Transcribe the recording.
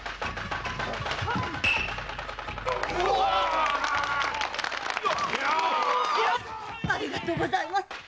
ありがとうございます！